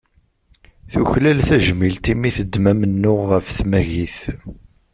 Tuklal tajmilt i mi teddem amennuɣ ɣef tmagit.